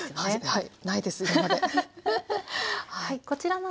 はい。